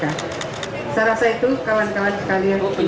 saya rasa itu kawan kawan sekalian